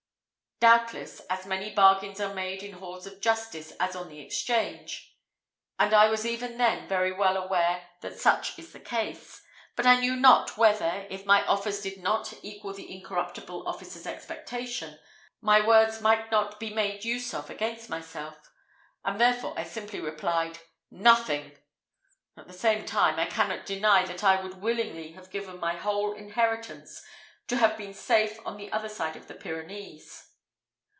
Doubtless, as many bargains are made in halls of justice as on the exchange, and I was even then very well aware that such is the case; but I knew not whether, if my offers did not equal the incorruptible officer's expectation, my words might not be made use of against myself, and therefore I simply replied, "Nothing!" At the same time, I cannot deny that I would willingly have given my whole inheritance to have been safe on the other side of the Pyrenees.